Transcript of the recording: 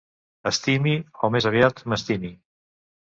Estimi, o més aviat, m'estimi.